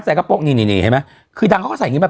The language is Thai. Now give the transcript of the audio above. กระโป๊นี่นี่เห็นไหมคือดังเขาก็ใส่อย่างนี้มา